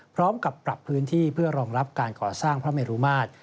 พร้อมกับปรับพื้นที่เพื่อรองรับการก่อสร้างพระเมรุมาตร